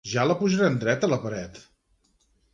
Ja la pujarem dreta la paret!